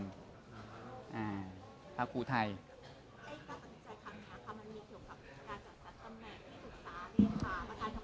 มีเฉียบพวกเตจากตรัสตะแมมที่สุดการณ์